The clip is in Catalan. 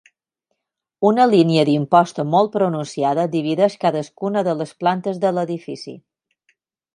Una línia d'imposta molt pronunciada divideix cadascuna de les plantes de l'edifici.